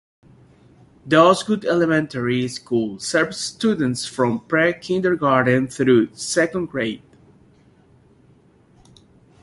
The Osgood Elementary School serves students from pre-kindergarten through second grade.